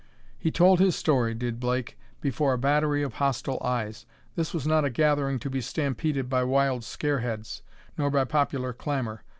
He told his story, did Blake, before a battery of hostile eyes. This was not a gathering to be stampeded by wild scareheads, nor by popular clamor.